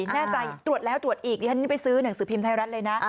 แน่ใจตรวจแล้วตรวจอีกดิฉันไปซื้อหนังสือพิมพ์ไทยรัฐเลยนะ